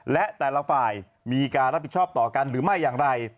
และแต่ละฝ่ายมีการรับผิดชอบต่อกันหรือไม่อย่างไร